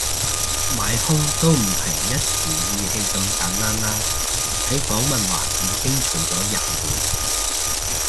買兇都唔係一時意氣咁簡單啦，睇訪問話已經嘈咗廿年